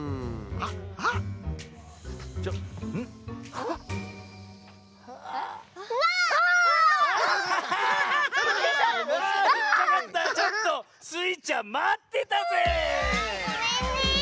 あごめんね！